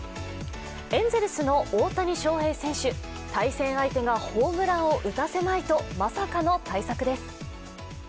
エンゼルスの大谷翔平選手、対戦相手がホームランを打たせまいとまさかの対策です。